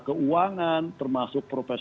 keuangan termasuk prof